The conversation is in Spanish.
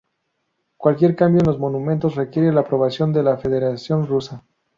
Cualquier cambio en los monumentos requiere la aprobación de la Federación Rusa.